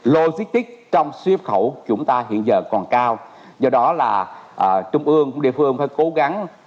logistics trong xuất nhập khẩu của chúng ta hiện giờ còn cao do đó là trung ương cũng địa phương cũng phải cố gắng